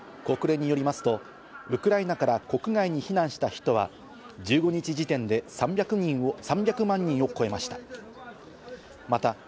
国連によりますと、ウクライナから国外に避難した人は１５日時点で３００万人を超えました。